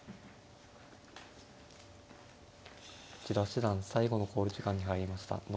千田七段最後の考慮時間に入りました。